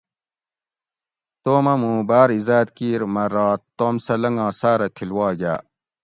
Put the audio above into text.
توم اٞ مُوں باٞر عِزاٞت کِیر مٞہ رات توم سٞہ لنگا ساٞرہ تھِل وا گاٞ